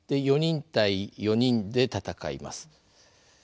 ４人対４人で戦います。